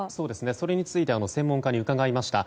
それについて専門家に伺いました。